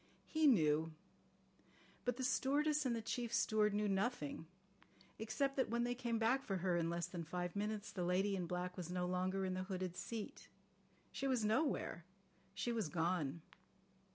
He knew. But the stewardess and the chief steward knew nothing, except that when they came back for her in less than five minutes the lady in black was no longer in the hooded seat. She was nowhere. She was gone.